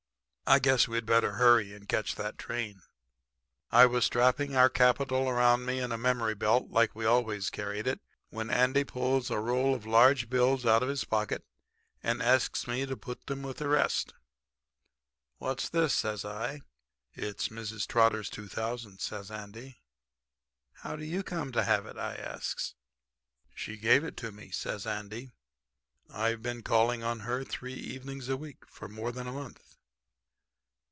'I guess we'd better hurry and catch that train.' "I was strapping our capital around me in a memory belt like we always carried it, when Andy pulls a roll of large bills out of his pocket and asks me to put 'em with the rest. "'What's this?' says I. [Illustration: "'What's this?' says I."] "'It's Mrs. Trotter's two thousand,' says Andy. "'How do you come to have it?' I asks. "'She gave it to me,' says Andy. 'I've been calling on her three evenings a week for more than a month.'